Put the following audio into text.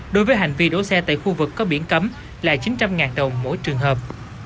đối với hành vi đổ xe tại khu vực có biển cấm là chín trăm linh đồng mỗi trường hợp